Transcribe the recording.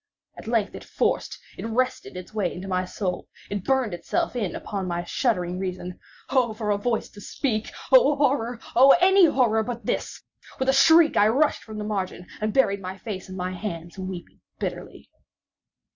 At length it forced—it wrestled its way into my soul—it burned itself in upon my shuddering reason. Oh! for a voice to speak!—oh! horror!—oh! any horror but this! With a shriek, I rushed from the margin, and buried my face in my hands—weeping bitterly.